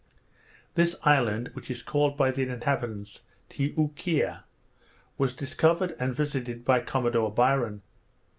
This island, which is called by the inhabitants Ti oo kea, was discovered and visited by Commodore Byron.